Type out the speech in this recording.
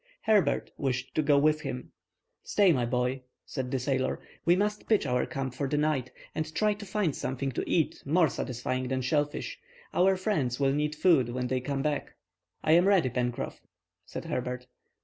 Herbert wished to go with him. "Stay, my boy," said the sailor. "We must pitch our camp for the night, and try to find something to eat more satisfying than shellfish. Our friends will need food when they come back." "I am ready, Pencroff," said Herbert.